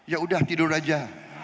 ya udah tidur aja